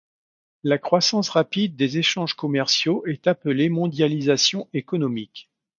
La croissance rapide des échanges commerciaux est appelée mondialisation économique.